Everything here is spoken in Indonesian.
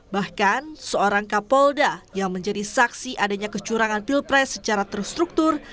bahkan seorang kapolda yang menjadi saksi adanya kecurangan pilpres secara terstruktur